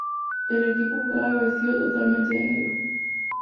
El equipo jugaba vestido totalmente de negro.